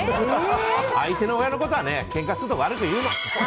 相手の親のことはけんかすると悪く言うの！